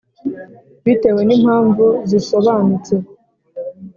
bitewe ni mpamvu zisobanutse